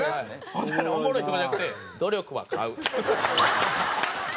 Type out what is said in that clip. ほんなら「おもろい」とかじゃなくて「努力は買う」。